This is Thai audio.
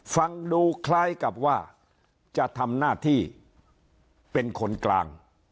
ฟังดูคล้ายกับว่าจะทำหน้าที่เป็นคนกลาง